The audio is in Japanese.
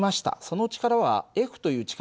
その力はＦという力